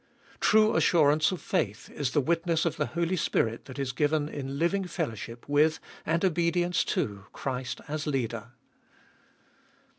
True assurance of faith is the witness of the Holy Spirit that is given in living fellowship with and obedience to Christ as Leader.